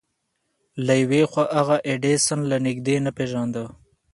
له يوې خوا هغه ايډېسن له نږدې نه پېژانده.